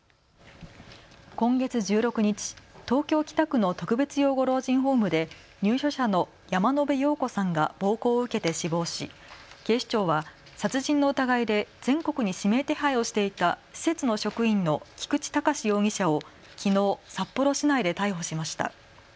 今月１６日、東京北区の特別養護老人ホームで入所者の山野邉陽子さんが暴行を受けて死亡し、警視庁は殺人の疑いで全国に指名手配をしていた施設の職員の菊池隆容疑者をきのう、札幌市内で逮捕しました。